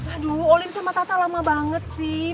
aduh olin sama tata lama banget sih